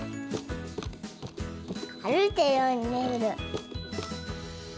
歩いているように見える。